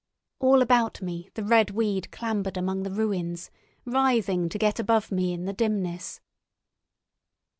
All about me the red weed clambered among the ruins, writhing to get above me in the dimness.